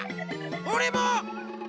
おれも！